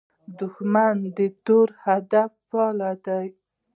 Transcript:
دښمن د تور هدف پلوي وي